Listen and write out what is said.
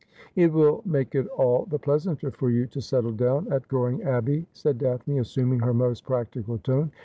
' It will make it all the pleasanter for you to settle down at Goring Abbey,' said Daphne, assuming her most practical tone.